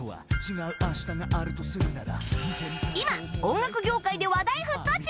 今音楽業界で話題沸騰中！